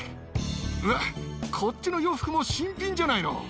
うわっ、こっちの洋服も新品じゃないの。